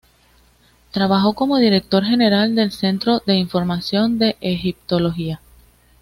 Trabajó como director general del Centro de información de egiptología.